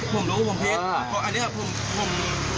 ผมรู้ว่าผมผิดอันนี้ครับผม